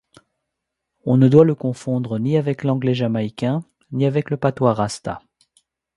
On ne doit le confondre ni avec l'anglais jamaïcain ni avec le patois rasta.